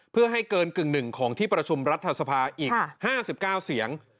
เพื่อให้เกินกึ่งหนึ่งของที่ประชุมรัฐสภาอีก๕๙เสียง